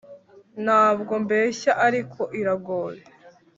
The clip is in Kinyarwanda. ntabwo mbeshya ariko iragoye